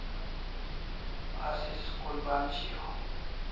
Asi school band shiau